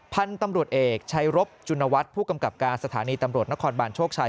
พันธุ์ตำรวจเอกชัยรบจุณวัฒน์ผู้กำกับการสถานีตำรวจนครบานโชคชัย